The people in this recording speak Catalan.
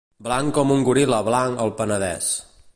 Blanc com un goril·la blanc al Penedès.